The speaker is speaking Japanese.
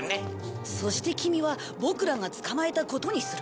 そしてキミはボクらが捕まえたことにする。